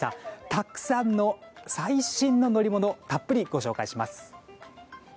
たくさんの最新の乗り物たっぷりご紹介します。